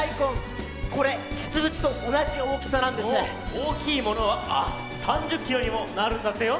おおきいものはあっ３０キロにもなるんだってよ！